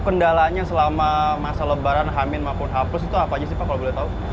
kendalanya selama masa lebaran hamin maupun hapus itu apa aja sih pak kalau boleh tahu